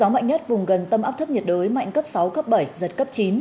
mạnh cấp sáu cấp bảy giật cấp chín